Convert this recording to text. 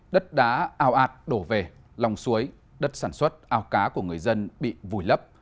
đất đá ao ạt đổ về lòng suối đất sản xuất ao cá của người dân bị vùi lấp